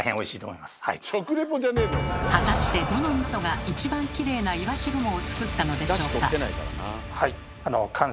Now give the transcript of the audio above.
果たしてどのみそが一番キレイないわし雲を作ったのでしょうか？